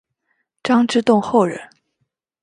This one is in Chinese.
张之洞后人。